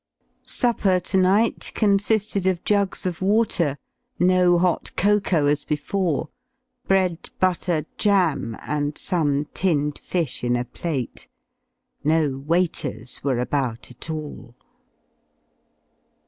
Supper to night consi^ed of jugs of water, no hot cocoa as before, bread, butter, jam, and some tinned fish in a plate. No waiters were about at all.